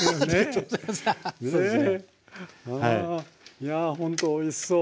いやほんとおいしそう。